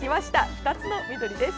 ２つの緑です。